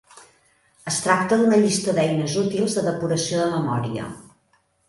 Es tracta d'una llista d'eines útils de depuració de memòria.